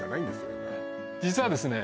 実はですね